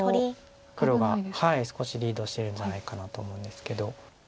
黒が少しリードしてるんじゃないかなと思うんですけど。